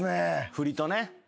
振りとね。